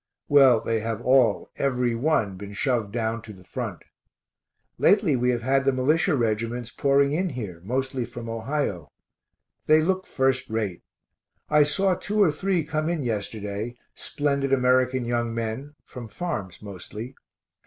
Well, they have all, every one, been shoved down to the front. Lately we have had the militia reg'ts pouring in here, mostly from Ohio. They look first rate. I saw two or three come in yesterday, splendid American young men, from farms mostly.